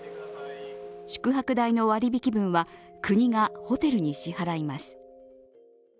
宿泊代の割り引き分は国がホテルに支払います。